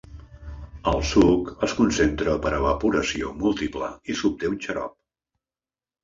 El suc es concentra per evaporació múltiple i s'obté un xarop.